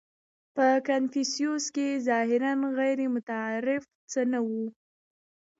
• په کنفوسیوس کې ظاهراً غیرمتعارف څه نهو.